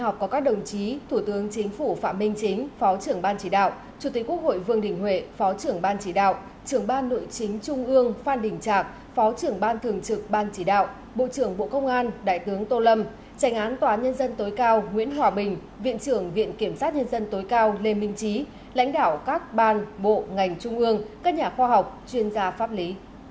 bộ trưởng bộ công an đại tướng tô lâm trành án tòa nhân dân tối cao nguyễn hòa bình viện trưởng viện kiểm sát nhân dân tối cao lê minh trí lãnh đạo các ban bộ ngành trung ương các nhà khoa học chuyên gia pháp lý